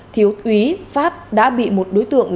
thiếu úy pháp đã bị một đối tượng